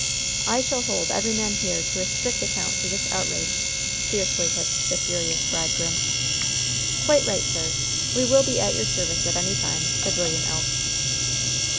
"I shall hold every man here to a strict account for this outrage!" fiercely hissed the furious bridegroom. "Quite right, sir! We will be at your service at any time," said William Elk.